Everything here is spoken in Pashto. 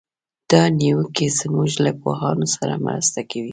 دا نیوکې زموږ له پوهانو سره مرسته کوي.